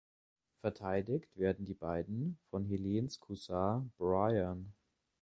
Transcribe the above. Verteidigt werden die beiden von Helens Cousin Brian.